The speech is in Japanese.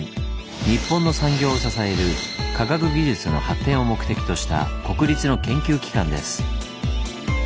日本の産業を支える科学技術の発展を目的とした国立の研究機関です。